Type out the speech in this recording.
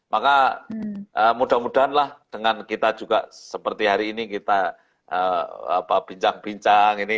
maka mudah mudahanlah dengan kita juga seperti hari ini kita bincang bincang ini